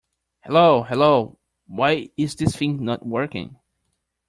Hello hello. Why is this thing not working?